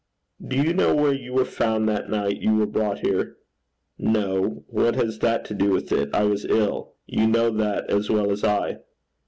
'Do you know where you were found that night you were brought here?' 'No. But what has that to do with it? I was ill. You know that as well as I.'